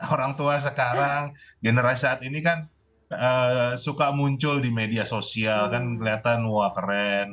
orang tua sekarang generasi saat ini kan suka muncul di media sosial kan kelihatan wah keren